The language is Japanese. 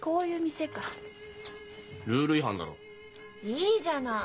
いいじゃない。